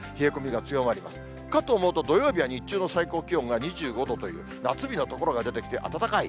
かと思うと、土曜日は日中の最高気温が２５度という、夏日の所が出てきて、暖かい。